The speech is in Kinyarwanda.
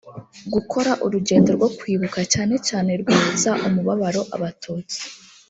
gukora urugendo rwo kwibuka cyane cyane rwibutsa umubabaro abatutsi